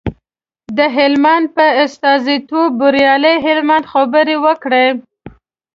د هلمند په استازیتوب بریالي هلمند خبرې وکړې.